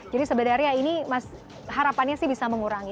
jadi sebenarnya ini harapannya sih bisa mengurangi